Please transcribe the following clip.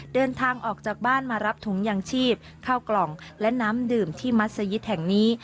เดินทางออกจากบ้านมารับถุงยางชีพเข้ากล่องและน้ำดื่มที่มัศยิตแห่งนี้